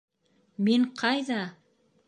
Мин ҡайҙа?!